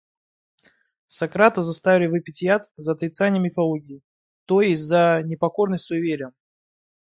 Сократа заставили выпить яд за отрицание мифологии, то есть за непокорность суевериям.